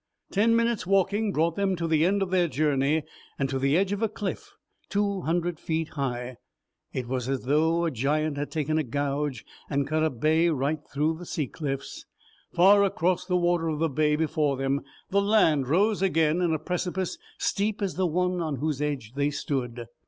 Ten minutes walking brought them to the end of their journey and to the edge of a cliff two hundred feet high. It was as though a giant had taken a gouge and cut a bay right through the sea cliffs. Far across the water of the bay before them the land rose again in a precipice steep as the one on whose edge they stood.